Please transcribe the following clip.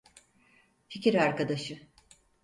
Fikir Arkadaşı.